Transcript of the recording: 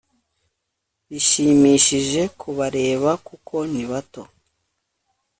bishimishije kubareba kuko ni bato